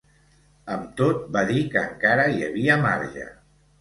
Amb tot, va dir que encara hi havia marge.